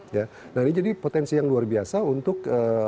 ya nah ini jadi potensi yang luar biasa untuk